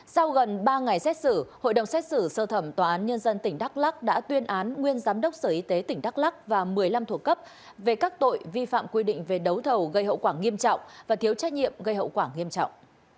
sau gần ba ngày xét xử hội đồng xét xử sơ thẩm tòa án nhân dân tỉnh đắk lắc đã tuyên án nguyên giám đốc sở y tế tỉnh đắk lắc và một mươi năm thuộc cấp về các tội vi phạm quy định về đấu thầu gây hậu quả nghiêm trọng và thiếu trách nhiệm gây hậu quả nghiêm trọng